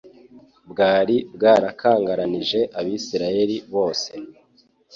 bwari bwarakangaranije Abisirayeli bose,